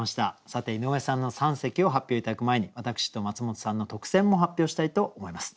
さて井上さんの三席を発表頂く前に私とマツモトさんの特選も発表したいと思います。